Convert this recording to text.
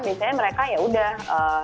biasanya mereka ya udah